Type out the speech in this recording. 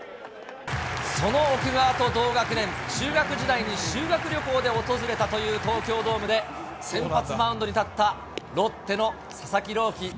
その奥川と同学年、中学時代に修学旅行で訪れたという東京ドームで、先発マウンドに立った、ロッテの佐々木朗希。